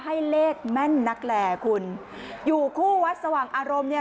ให้เลขแม่นนักแหล่คุณอยู่คู่วัดสว่างอารมณ์เนี่ย